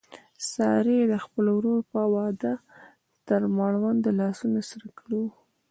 سارې د خپل ورور په واده تر مړونده لاسونه سره کړي و.